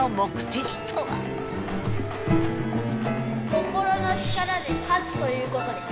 「心の力」で勝つということです。